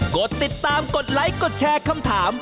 กดติดตามกดไลค์กดแชร์คำถาม